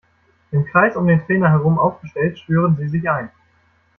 Im Kreis um den Trainer herum aufgestellt schwören sie sich ein.